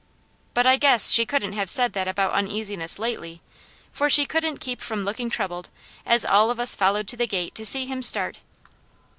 But I guess she couldn't have said that about uneasiness lately, for she couldn't keep from looking troubled as all of us followed to the gate to see him start.